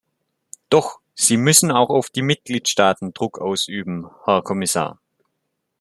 Doch Sie müssen auch auf die Mitgliedstaaten Druck ausüben, Herr Kommissar.